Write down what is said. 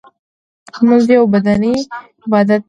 لمونځ یو بدنی عبادت دی .